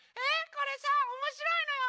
これさおもしろいのよ！